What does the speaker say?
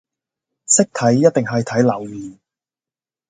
識睇一定係睇留言